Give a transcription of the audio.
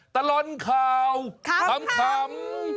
ตลอดข่าวขำ